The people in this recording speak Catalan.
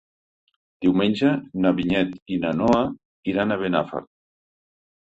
Diumenge na Vinyet i na Noa iran a Benafer.